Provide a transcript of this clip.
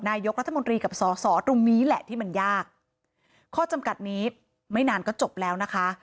นายกรัฐมนตรีกับสอสอตรงนี้แหละที่มันยากข้อจำกัดนี้ไม่นานก็จบแล้วนะคะ